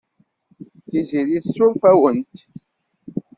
Tiziri tessuref-awent.